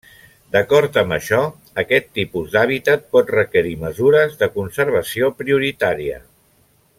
D’acord amb això, aquest tipus d’hàbitat pot requerir mesures de conservació prioritària.